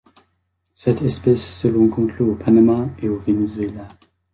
Cette espèce se rencontre au Panama et au Venezuela.